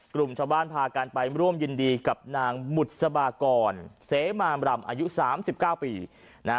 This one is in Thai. กลุ่มชาวบ้านพากันไปร่วมยินดีกับนางบุษบากรเสมามรำอายุสามสิบเก้าปีนะฮะ